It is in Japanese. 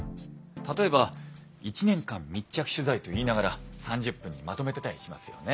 例えば１年間密着取材と言いながら３０分にまとめてたりしますよね。